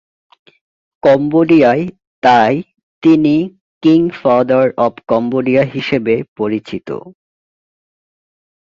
কম্বোডিয়ায় তাই তিনি ‘king father of Cambodia’ হিসেবে পরিচিত।